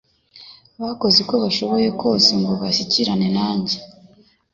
bakoze uko bashoboye kose ngo bashyikirane nanjye